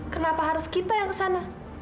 kenapa harus kita yang kesana